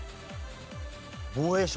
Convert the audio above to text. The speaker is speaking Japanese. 防衛省。